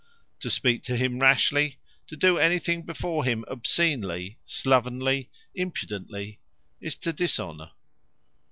To speak to him rashly, to do anything before him obscenely, slovenly, impudently, is to Dishonour.